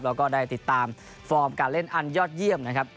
แล้วก็ได้ติดตามฟอร์มการเล่นอันยอดเยี่ยมนะครับ